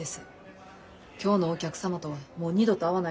今日のお客様とはもう二度と会わないかもしれません。